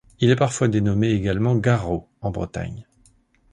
Il est parfois dénommé également garro en Bretagne.